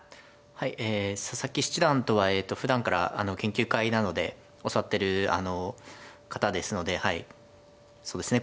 はいえ佐々木七段とはえとふだんから研究会などで教わってる方ですのではいそうですね